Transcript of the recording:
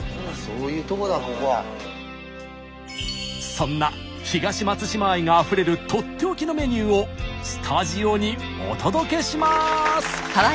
そんな東松島愛があふれるとっておきのメニューをスタジオにお届けします！